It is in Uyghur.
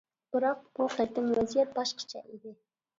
بىراق، بۇ قېتىم ۋەزىيەت باشقىچە ئىدى.